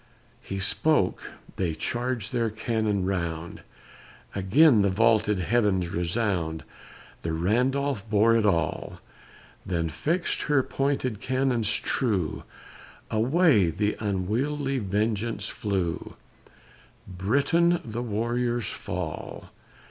He spoke they charged their cannon round, Again the vaulted heavens resound, The Randolph bore it all, Then fixed her pointed cannons true Away the unwieldy vengeance flew; Britain, the warriors fall.